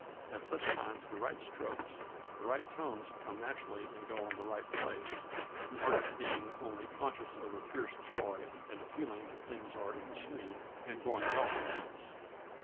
At such times the right strokes, the right tones come naturally and go on the right place, the artist being only conscious of a fierce joy and a feeling that things are in tune and going well for once.